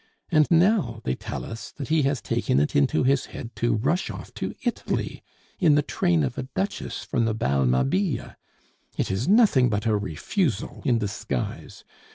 And now they tell us that he has taken it into his head to rush off to Italy in the train of a duchess from the Bal Mabille.... It is nothing but a refusal in disguise.